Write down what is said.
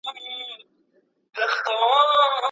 هغوی د اصفهان د دربار هيڅ امر نه مانه.